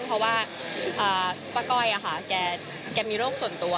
เพราะว่าป้าก้อยแกมีโรคส่วนตัว